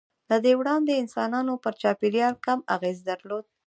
له دې وړاندې انسانانو پر چاپېریال کم اغېز درلود.